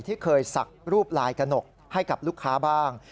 ที่เคยสักรูปลายกระหนกให้กับลูกค้าบ้าง